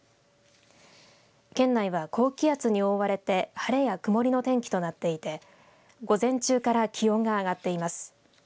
県内は高気圧に覆われて晴れや曇りの天気となっていて午前中から気温が上がっています。